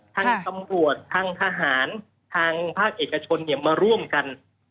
ทั้งกำบวชทั้งทหารทั้งภาคเอกชนมาร่วมกัน